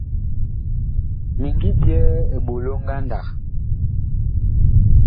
Mi ngi byɛɛ eɓolo ngandag.